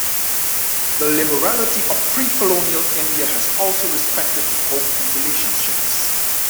The liberality of pre-colonial India had also respected the home and relationships.